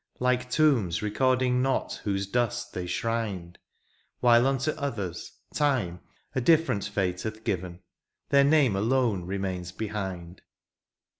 Like tombs recording not whose dust they shrined; While unto others. Time a diflFerent fate Hath given — ^their name alone remains behind.